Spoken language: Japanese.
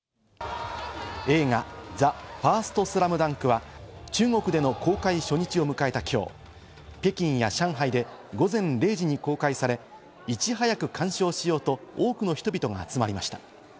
映画『ＴＨＥＦＩＲＳＴＳＬＡＭＤＵＮＫ』は中国での公開初日を迎えた今日、北京や上海で午前０時に公開され、いち早く鑑賞しようと多くの人々が集まりました。